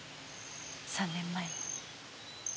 ３年前の。